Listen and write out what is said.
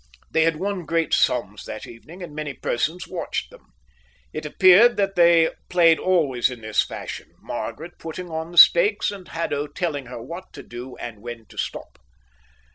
They had won great sums that evening, and many persons watched them. It appeared that they played always in this fashion, Margaret putting on the stakes and Haddo telling her what to do and when to stop.